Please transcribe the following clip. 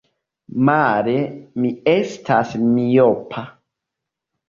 Male, mi estas miopa!